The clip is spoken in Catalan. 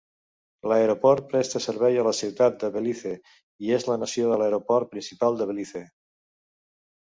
L'aeroport presta servei a la ciutat de Belize i és la nació de l'aeroport principal de Belize.